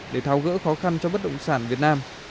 để tháo gỡ khó khăn cho bất động sản việt nam